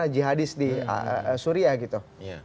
jihadis di suria gitu